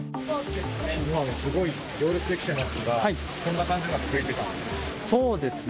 すごい行列出来てますが、こんな感じが続いてたんですか？